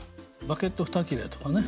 「バゲット２切れ」とかね